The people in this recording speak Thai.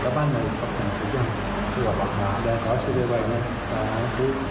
แล้วบ้านหน่อยก็ชำกันเสียงที่วัดหวัดมาก็ขอให้เสรียร์ไว้เลย